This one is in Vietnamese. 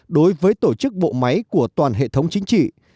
đối với tổ chức bộ máy của toàn hệ thống chính trị